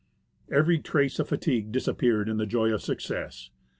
ELIAS Every trace of fatigue disappeared in the joy of success.